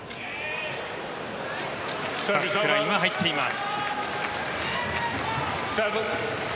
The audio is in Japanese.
バックラインは入っています。